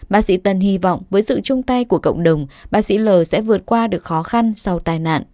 bác sĩ tân hy vọng với sự chung tay của cộng đồng bác sĩ l sẽ vượt qua được khó khăn sau tai nạn